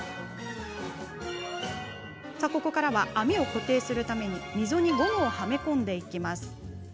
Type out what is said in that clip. ここから、網を固定するために溝にゴムを、はめ込んでいきます。